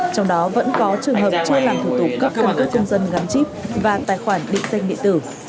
trong đó vẫn có trường hợp chưa làm thủ tục cấp cân cấp công dân gắn chip và tài khoản định danh định tử